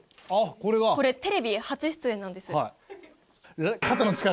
これテレビ初出演なんです。